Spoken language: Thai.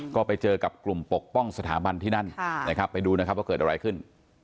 ก็ไปเจอกับกลุ่มปกป้องสถาบันที่นั่นนะครับไปดูนะครับว่าเกิดอะไรขึ้น